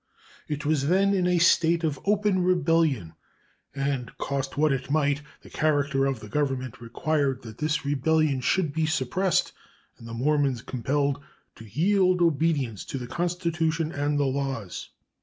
It was then in a state of open rebellion, and, cost what it might, the character of the Government required that this rebellion should be suppressed and the Mormons compelled to yield obedience to the Constitution and the laws.